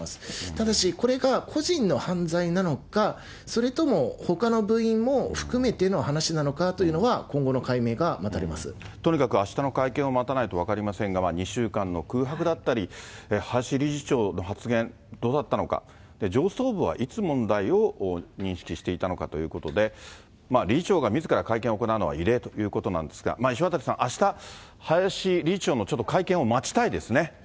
ただし、これが個人の犯罪なのか、それともほかの部員も含めての話なのかというのは、とにかくあしたの会見を待たないと分かりませんが、２週間の空白だったり、林理事長の発言、どうだったのか、上層部はいつ問題を認識していたのかということで、理事長がみずから会見を行うのは異例ということなんですが、石渡さん、あした林理事長の会見を待ちたいですね。